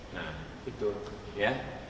nah itu ya